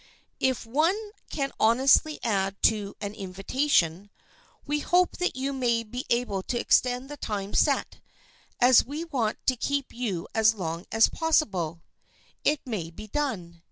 If one can honestly add to an invitation, "We hope that you may be able to extend the time set, as we want to keep you as long as possible," it may be done.